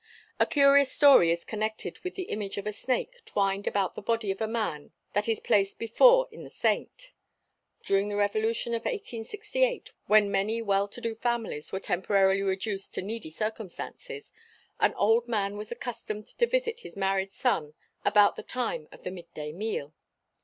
A curious story is connected with the image of a snake twined about the body of a man that is placed before in the saint. During the revolution of 1868 when many well to do families were temporarily reduced to needy circumstances an old man was accustomed to visit his married son about the time of the mid day meal.